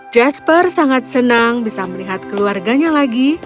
jasper begitu senang bisa melihat keluarganya